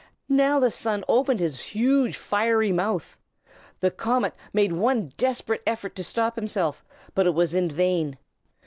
now the Sun opened his huge fiery mouth. The comet made one desperate effort to stop himself, but it was in vain.